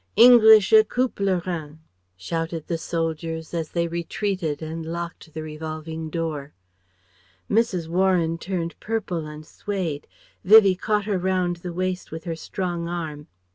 Englische Küpplerin," shouted the soldiers as they retreated and locked the revolving door. Mrs. Warren turned purple and swayed. Vivie caught her round the waist with her strong arm....